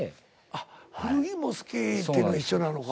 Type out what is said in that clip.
あっ古着も好きっていうのが一緒なのか。